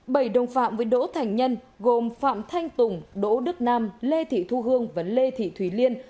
bảy đồng phạm với đỗ thành nhân gồm phạm thanh tùng đỗ đức nam lê thị thu hương và lê thị thùy liên